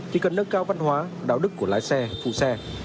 thì cần nâng cao văn hóa đạo đức của lái xe phụ xe